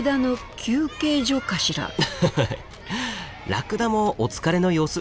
ラクダもお疲れの様子。